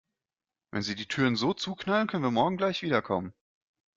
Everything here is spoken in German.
Wenn Sie die Türen so zuknallen, können wir morgen gleich wiederkommen.